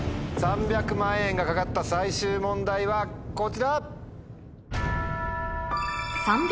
３００万円が懸かった最終問題はこちら！